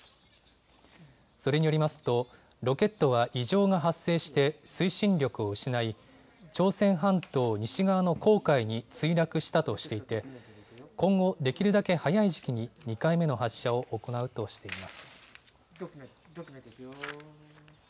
それによりますと、ロケットは異常が発生して、推進力を失い、朝鮮半島西側の黄海に墜落したとしていて、今後、できるだけ早い時期に２回目の発射を行うとしています。